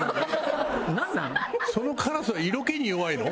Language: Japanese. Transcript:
そのカラスは色気に弱いの？